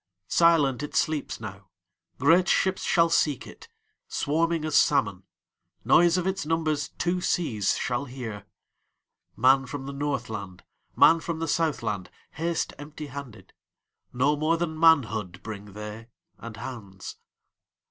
Silent it sleeps now; Great ships shall seek it, Swarming as salmon; Noise of its numbersTwo seas shall hear. Man from the Northland, Man from the Southland, Haste empty handed; No more than manhoodBring they, and hands.